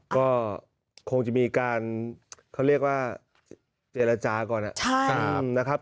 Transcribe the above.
ก็คงจะมีการเขาเรียกว่าเจรจาก่อนนะครับ